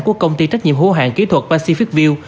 của công ty trách nhiệm hữu hạng kỹ thuật pacific view